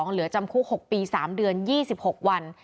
เหลือจำคุก๖ปี๓เดือน๒๖วัน